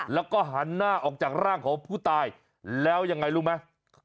แล้วก็หันหน้าออกจากร่างของผู้ตายแล้วยังไงรู้ไหม